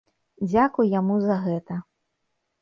Дзякуй яму за гэта!